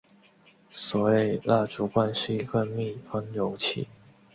所谓蜡烛罐是一个密封容器。